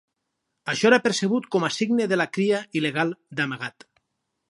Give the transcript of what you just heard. Això era percebut com a signe de la cria il·legal d'amagat.